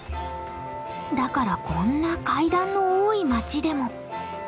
だからこんな階段の多い町でも。